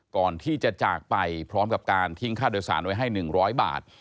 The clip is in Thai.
ก่อนที่จะจากไปพร้อมกับการทิ้งค่าโดยสารไว้ให้๑๐๐บาท